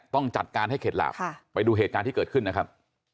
ต้องจัดการให้เข็ดหลาบไปดูเหตุการณ์ที่เกิดขึ้นนะครับ